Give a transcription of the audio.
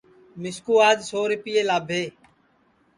مِسکُو آج سو ریپئے لاٻھے